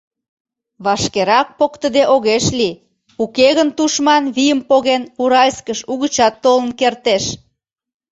Вашкерак поктыде огеш лий: уке гын тушман, вийым поген, Уральскыш угычат толын кертеш.